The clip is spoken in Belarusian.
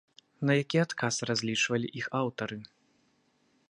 На які адказ разлічвалі іх аўтары?